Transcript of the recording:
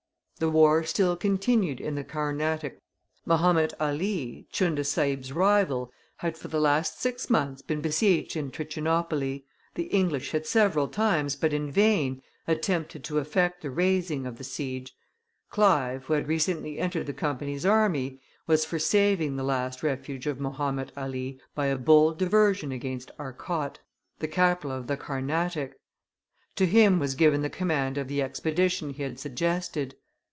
The war still continued in the Carnatic: Mahomet Ali, Tchunda Sahib's rival, had for the last six months been besieged in Trichinopoli; the English had several times, but in vain, attempted to effect the raising of the siege; Clive, who had recently entered the Company's army, was for saving the last refuge of Mahomet Ali by a bold diversion against Arcot, the capital of the Carnatic. To him was given the command of the expedition he had suggested.